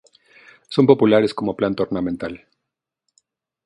Son populares como planta ornamental.